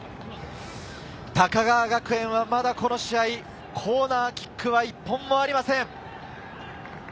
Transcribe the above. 高川学園はまだこの試合、コーナーキックは１本もありません。